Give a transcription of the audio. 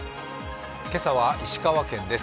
今朝は石川県です。